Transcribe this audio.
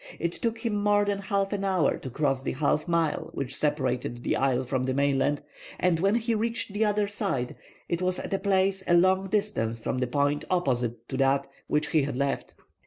It took him more than half an hour to cross the half mile which separated the isle from the mainland, and when he reached the other side it was at a place a long distance from the point opposite to that which he had left.